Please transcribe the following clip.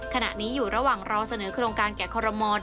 ขณะนี้อยู่ระหว่างเราเสนอ